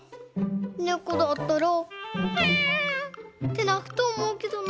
ねこだったら「にゃ」ってなくとおもうけどな。